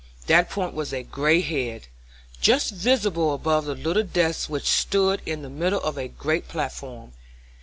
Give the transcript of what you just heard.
That point was a gray head, just visible above the little desk which stood in the middle of a great platform.